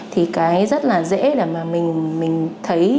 thì cái rất là dễ là mình thấy